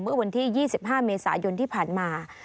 เมื่อวันที่๒๕เมษายนที่ผ่านมา